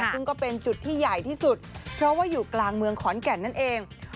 ซึ่งก็เป็นจุดที่ใหญ่ที่สุดเพราะว่าอยู่กลางเมืองขอนแก่นนั่นเอง